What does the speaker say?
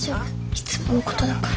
いつものことだから。